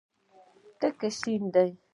تک شین دی.